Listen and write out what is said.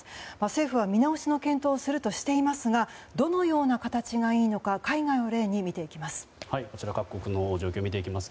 政府は見直しの検討をするとしていますがどのような形がいいのか海外を例に見ていきます。